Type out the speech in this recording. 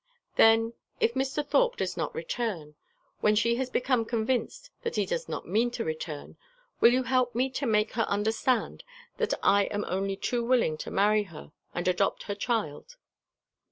"Then if Mr. Thorpe does not return, when she has become convinced that he does not mean to return, will you help me to make her understand that I am only too willing to marry her and adopt her child?"